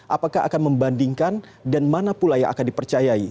apakah akan membandingkan dan mana pula yang akan dipercayai